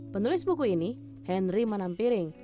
penulis buku ini henry manampiring